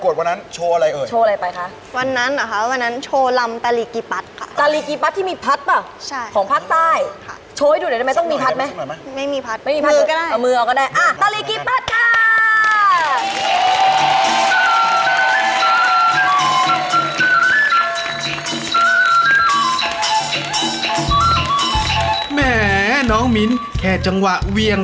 ย่ายังเด็กเลยปี๔แล้วอ่ะอืม